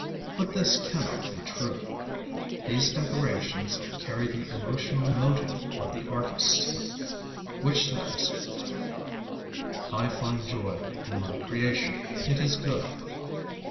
But this cannot be true. These decorations carry the emotional motive of the artist, which says: "I find joy in my creation; it is good."